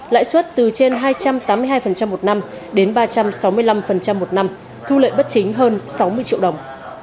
lãi suất từ trên hai trăm tám mươi hai một năm đến ba trăm sáu mươi năm một năm thu lợi bất chính hơn sáu mươi triệu đồng